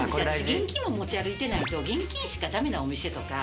現金を持ち歩いてないと現金しか駄目なお店とか。